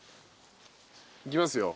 いきますよ。